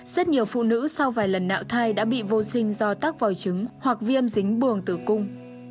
rất nhiều phụ nữ sau vài lần nạo thai đã bị vô sinh do tắc vòi trứng hoặc viêm dính buồng tử cung